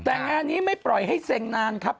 แต่งานนี้ไม่ปล่อยให้เซ็งนานครับ